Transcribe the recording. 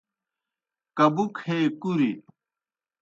کبُک ہے کُریْ